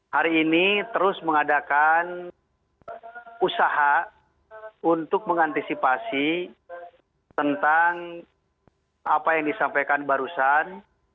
hari ini terus mengadakan usaha untuk mengantisipasi tentang apa yang disampaikan barusan